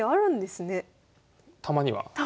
たまには。